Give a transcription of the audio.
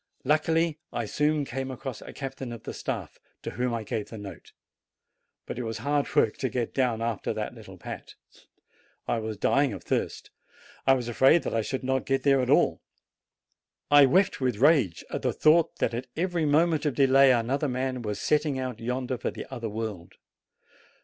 Luckily, I soon came across a captain of the staff, to whom I gave the note. But it was hard work to get down after that little pat! I was dying of thirst. I was afraid that I should not get there at all. I wept with rage at the thought that at every moment of delay another man was setting out yonder for the other world.